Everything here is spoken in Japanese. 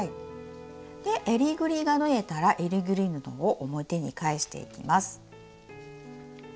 えりぐりが縫えたらえりぐり布を表に返していきます。